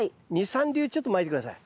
２３粒ちょっとまいて下さい。